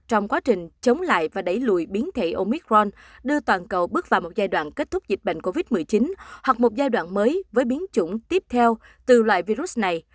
trong quá trình chống lại và đẩy lùi biến thể omicron đưa toàn cầu bước vào một giai đoạn kết thúc dịch bệnh covid một mươi chín hoặc một giai đoạn mới với biến chủng tiếp theo từ loại virus này